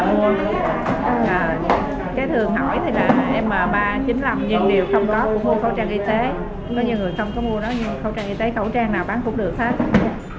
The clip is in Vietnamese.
có nhiều người không có mua nó nhưng khẩu trang y tế khẩu trang nào bán cũng được hết